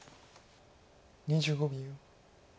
２５秒。